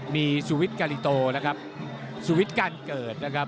มีสวิทธิ์การิโตสวิทธิ์การเกิดนะครับ